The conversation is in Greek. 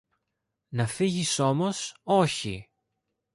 Να φύγεις όμως, όχι!